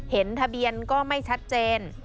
เห็นทะเบียนก็ไม่ชัดเจน